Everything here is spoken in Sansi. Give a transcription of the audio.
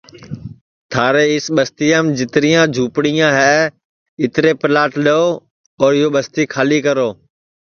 تھارے اِس بستِیام جِترِیاں جھوپڑیاں ہے اِترے پِلاٹ لیؤ اور یو بستی کھالی کرو